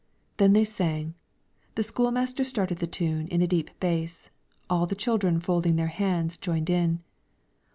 Then they sang; the school master started the tune, in a deep bass; all the children, folding their hands, joined in.